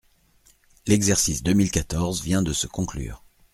L’exercice deux mille quatorze vient de se conclure.